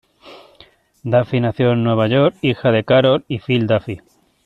Duffy nació en Nueva York, hija de Carol, y Phil Duffy.